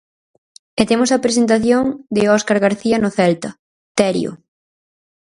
E temos a presentación de Óscar García no Celta, Terio.